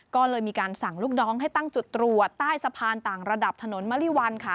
ก็เลยมีการสั่งลูกน้องให้ตั้งจุดตรวจใต้สะพานต่างระดับถนนมริวัลค่ะ